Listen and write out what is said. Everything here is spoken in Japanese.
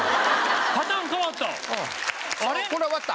パターン変わった。